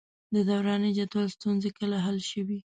د دوراني جدول ستونزې کله حل شوې؟